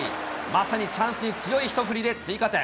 まさにチャンスに強い一振りで、追加点。